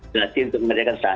dilatih untuk mengerjakan sah